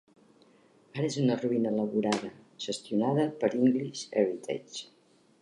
Ara és una ruïna elaborada gestionada per English-Heritage.